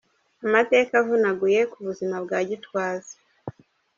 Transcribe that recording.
Amateka avunaguye ku buzima bwa Gitwaza .